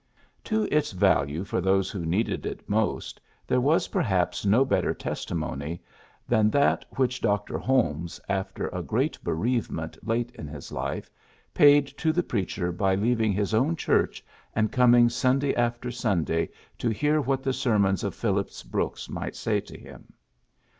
To its value for those who needed it most there was perhaps no better testimony than that which Dr. Holmes, after a great bereavement late in his life, paid to the preacher by leav ing his own church and coming Sunday after Sunday to hear what the sermons of Phillips Brooks might say to him.